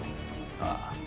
ああ。